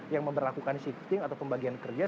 yang memperlakukan shifting atau pembagian kerja